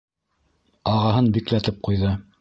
Ағаһын бикләтеп ҡуйҙы.